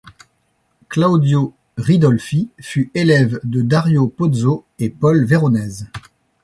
Claudio Ridolfi fut élève de Dario Pozzo et Paul Véronèse.